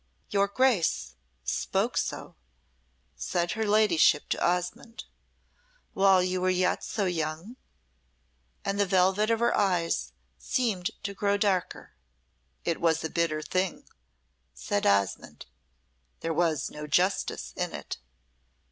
'" "Your Grace spoke so," said her ladyship to Osmonde, "while you were yet so young?" and the velvet of her eyes seemed to grow darker. "It was a bitter thing," said Osmonde. "There was no justice in it."